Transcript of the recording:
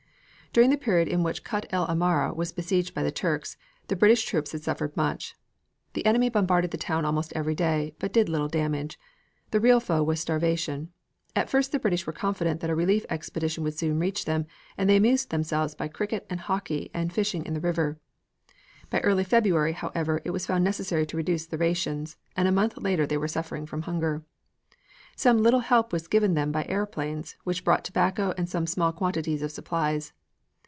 During the period in which Kut el Amara was besieged by the Turks, the British troops had suffered much. The enemy bombarded the town almost every day, but did little damage. The real foe was starvation. At first the British were confident that a relief expedition would soon reach them, and they amused themselves by cricket and hockey and fishing in the river. By early February, however, it was found necessary to reduce the rations, and a month later they were suffering from hunger. Some little help was given them by airplanes, which brought tobacco and some small quantities of supplies.